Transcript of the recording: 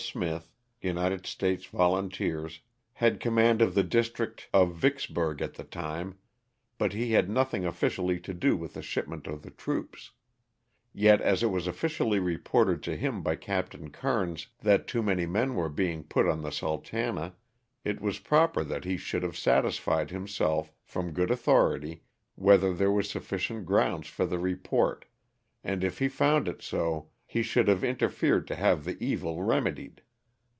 Smith, United States Volunteers, had command of the district of Vicksburg at the time, but he had nothing officially to do with the shipment cE the troops; yet as it was officially reported to him by Captain Kernes that too many men were being put in th ^' Sultana' it was proper that he should have satisfied himself, from good authority, whether there was sufficient grounds for the report, and if he found it so he should have interfered to have the evil rem edied.